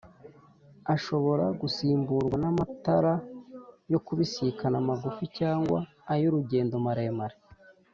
ashobora gusimburwa n’amatara yo kubisikana(maguf)cg ay’urugendo(maremare)